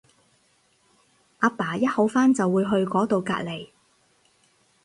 阿爸一好翻就會去嗰到隔離